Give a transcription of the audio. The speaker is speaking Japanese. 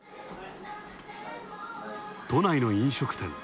都内の飲食店。